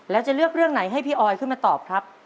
แล้วจะเลือกเรื่องไหนให้พี่ออยขึ้นมาตอบครับ